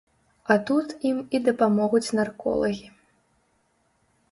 А тут ім і дапамогуць нарколагі.